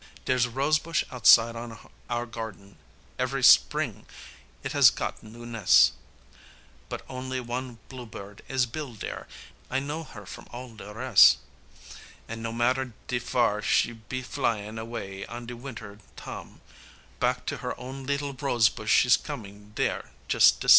Dere's rosebush outside on our garden, ev'ry spring it has got new nes', But only wan bluebird is buil' dere, I know her from all de res', An' no matter de far she be flyin' away on de winter tam, Back to her own leetle rosebush she's comin' dere jus' de sam'.